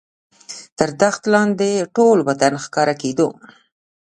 تر دښت لاندې ټول وطن ښکاره کېدو.